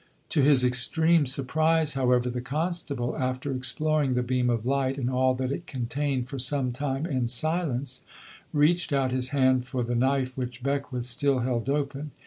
To his extreme surprise, however, the constable, after exploring the beam of light and all that it contained for some time in silence, reached out his hand for the knife which Beckwith still held open.